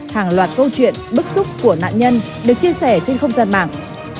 hàng loạt câu chuyện bức xúc của nạn nhân được chia sẻ trên không gian mạng